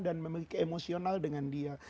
dan memiliki emosional dengan dia